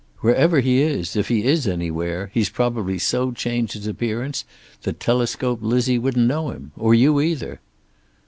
Wherever he is, if he is anywhere, he's probably so changed his appearance that Telescope Lizzie wouldn't know him. Or you either."